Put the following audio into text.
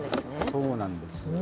そうなんです。